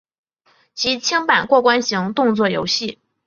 即清版过关型动作游戏。